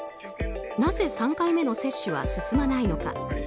なぜ３回目の接種は進まないのか。